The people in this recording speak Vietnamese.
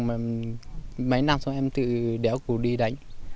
mấy năm sau em tự đéo cụ đi đánh